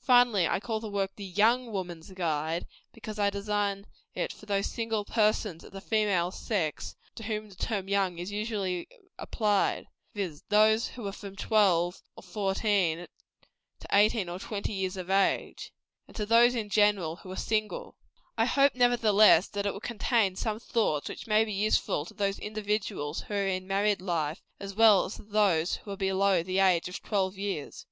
Finally, I call the work "The YOUNG Woman's Guide," because I design it for those single persons of the female sex to whom the term young is usually applied; viz., those who are from twelve or fourteen to eighteen or twenty years of age and to those, in general, who are single. I hope, nevertheless, that it will contain some thoughts which may be useful to those individuals who are in married life, as well as to those who are below the age of twelve years.